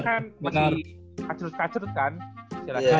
makanya kan masih kacret kacret kan